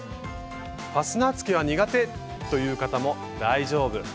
ファスナーつけは苦手！という方も大丈夫！